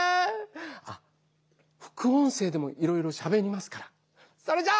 あっ副音声でもいろいろしゃべりますからそれじゃあ。